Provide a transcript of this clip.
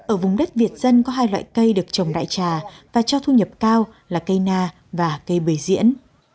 ở vùng đất việt dân có hai loại cây được trồng đại trà và cho thu nhập cao là cây na và cây bưởi diễn